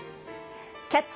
「キャッチ！